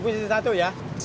kolaknya dua kan